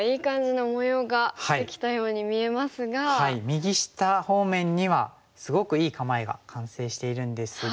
右下方面にはすごくいい構えが完成しているんですが。